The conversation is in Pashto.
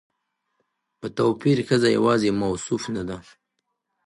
په توپير ښځه يواځې موصوف نه ده